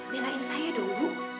belain saya dong bu